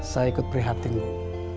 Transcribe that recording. saya ikut prihatin bu